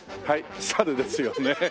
はいサルですよね。